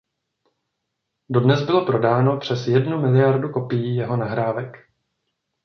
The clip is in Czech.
Dodnes bylo prodáno přes jednu miliardu kopií jeho nahrávek.